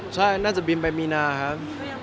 ใช่น่าจะบินไปมีนาครับ